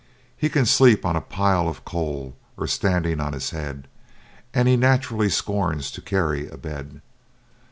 He can sleep on a pile of coal or standing on his head, and he naturally scorns to carry a bed.